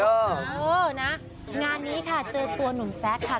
เออนะงานนี้ค่ะเจอตัวหนุ่มแซคค่ะ